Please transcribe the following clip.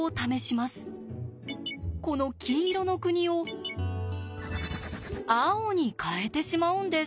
この黄色の国を青に変えてしまうんです。